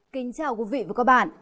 kính chào quý vị và các bạn